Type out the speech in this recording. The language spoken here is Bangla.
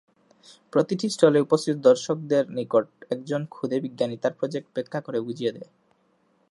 প্রতিটি স্টলে উপস্থিত দর্শকদের নিকট একজন ক্ষুদে বিজ্ঞানী তার প্রজেক্ট ব্যাখ্যা করে বুঝিয়ে দেয়।